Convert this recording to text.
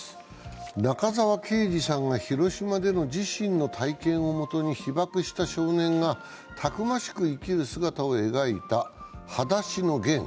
中沢啓治さんが広島での自身の体験を元に被爆した少年がたくましく生きる姿を描いた「はだしのゲン」。